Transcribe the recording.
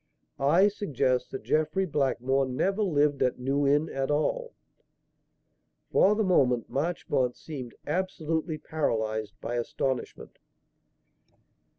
"I suggest that Jeffrey Blackmore never lived at New Inn at all." For the moment, Marchmont seemed absolutely paralysed by astonishment.